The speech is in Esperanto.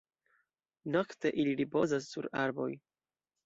Nokte ili ripozas sur arboj.